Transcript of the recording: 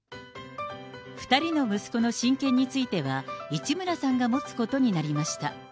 ２人の息子の親権については、市村さんが持つことになりました。